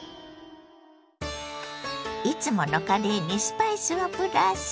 いつものカレーにスパイスをプラス。